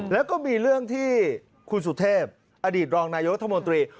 แล้วก็มีเรื่องที่คุณสุเทพอดีตรองนายกรัฐมนตรี